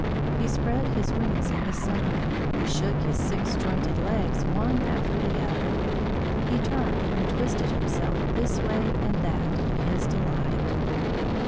He spread his wings in the sun; he shook his six jointed legs one after the other; he turned and twisted himself this way and that in his delight.